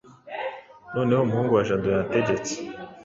Noneho umuhungu wa jado yategetse